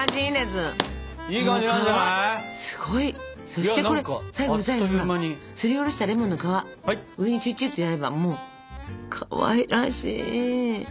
そしてこれ最後の最後にさすりおろしたレモンの皮上にちゅちゅっとやればもうかわいらしい！